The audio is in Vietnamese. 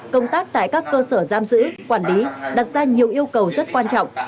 công tác tại các cơ sở giam giữ quản lý đặt ra nhiều yêu cầu rất quan trọng